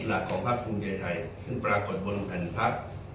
เป็นหลักของพระคุมเจย์ไทยซึ่งปรากฏบนแผ่นพรรค